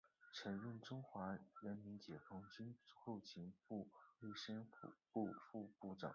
曾任中国人民解放军总后勤部卫生部副部长。